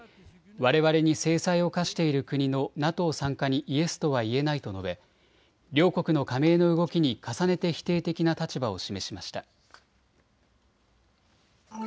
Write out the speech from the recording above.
われわれに制裁を科している国のＮＡＴＯ参加にイエスとは言えないと述べ両国の加盟の動きに重ねて否定的な立場を示しました。